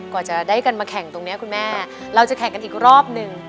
กว่าจะได้กันมาแข่งตรงนี้คุณแม่เราจะแข่งกันอีกรอบหนึ่ง